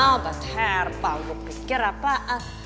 obat herbal gue pikir apaan